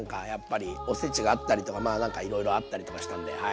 おせちがあったりとかまあなんかいろいろあったりとかしたんではい。